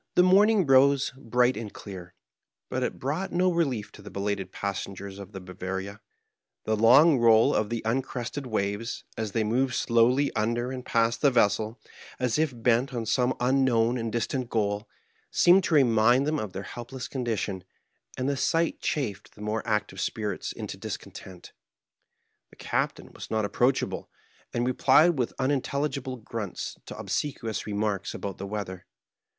The morning rose hright and clear, hut it hrought no relief to the helated passengers of the Bavaria, The long roll of the un* crested waves, as they moved slowly under and past the vessel, as if hent on some unknown and distant goal, seemed to remind them of their helpless condition, and the sight chafed the more active spirits into discontent. The Captain was not approachahle, and replied with unintelligihle grunts to ohseqaious remarks ahout the weather.